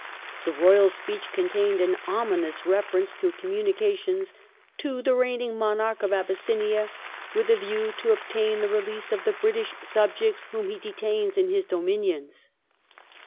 The Royal Speech contained an ominous reference to communications " to the reigning Monarch of Abyssinia, with a view to obtain the release of the British subjects whom he detains in his dominions